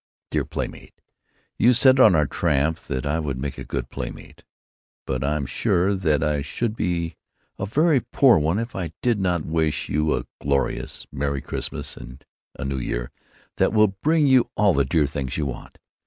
Dear Playmate,—You said on our tramp that I would make a good playmate, but I'm sure that I should be a very poor one if I did not wish you a gloriously merry Xmas & a New Year that will bring you all the dear things you want.